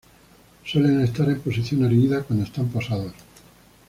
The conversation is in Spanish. Suelen estar en posición erguida cuando están posados.